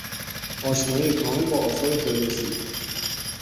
آشنایی کامل با آثار فردوسی